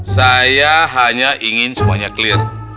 saya hanya ingin semuanya clear